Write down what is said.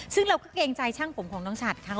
ซึ่งเราก็เกรงใจช่างผมของน้องฉัดค่ะ